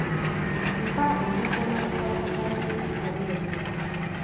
Mpa olugero olukwatagana n’ekikolwa ekyo.